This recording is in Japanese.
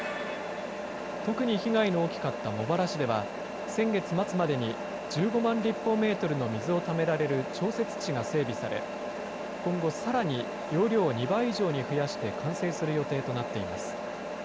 特に被害の大きかった茂原市では、先月末までに１５万立方メートルの水をためられる調節池が整備され、今後さらに、容量を２倍以上に増やして完成する予定となっています。